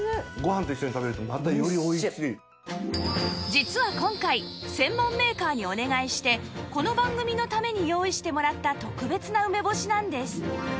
実は今回専門メーカーにお願いしてこの番組のために用意してもらった特別な梅干しなんです